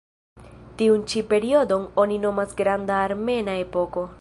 Tiun ĉi periodon oni nomas "Granda Armena Epoko".